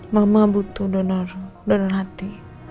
mama butuh donor hati